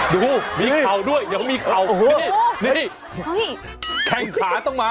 ดูมีเข่าด้วยยังมีเข่าโอ้โหนี่แข้งขาต้องมา